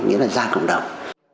nghĩa là ra cộng đồng